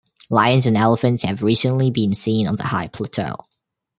Lions and elephants have recently been seen on the high plateau.